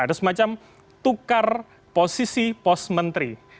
ada semacam tukar posisi pos menteri